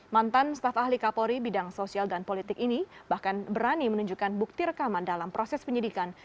mantan staf ahli kapolri bidang sosial dan politik ini bahkan berani menunjukkan bukti rekaman dalam proses penyidikan